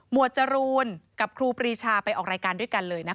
วดจรูนกับครูปรีชาไปออกรายการด้วยกันเลยนะคะ